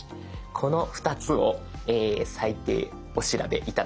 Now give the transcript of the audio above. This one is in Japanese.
この２つを最低お調べ頂きたい。